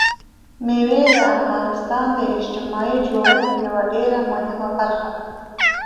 مېوې د افغانستان د اجتماعي جوړښت یوه ډېره مهمه برخه ده.